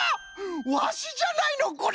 わしじゃないのこれ！